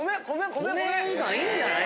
米がいいんじゃない？